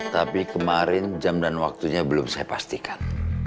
tapi kemarin jam dan waktunya belum saya pastikan